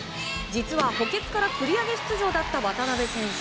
実は、補欠から繰り上げ出場だった渡部選手。